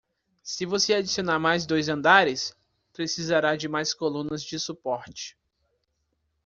Se você adicionar mais dois andares?, precisará de mais colunas de suporte.